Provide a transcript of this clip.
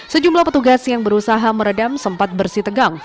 sejumlah petugas yang berusaha meredam sempat bersih tegang